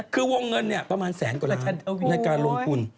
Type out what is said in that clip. คือวงเงินเนี่ยประมาณแสนกว่าล้านในการลงทุน